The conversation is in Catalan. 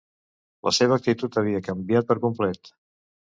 La seva actitud havia canviat per complet.